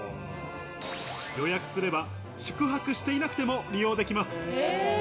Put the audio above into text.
予約すれば宿泊していなくても利用できます。